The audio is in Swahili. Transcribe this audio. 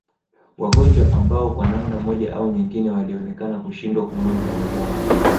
Wagonjwa ambao kwa namna moja au nyingine walionekana kushindwa kumudu kazi zao